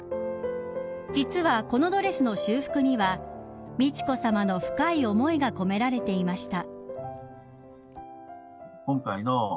実はこのドレスの修復には美智子さまの深い思いが込められていました。